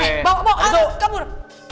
eh bawa bawa kabur